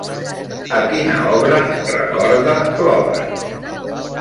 A quina obra recorda l'obra?